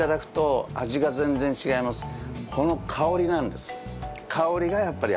この香りなんです。